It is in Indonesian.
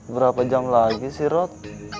berapa jam lagi sih rock